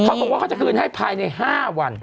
เขาบอกว่าเขาจะคืนให้ภายใน๕วัน